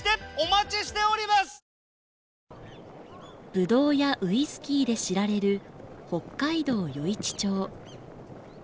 ブドウやウイスキーで知られる北海道余市町。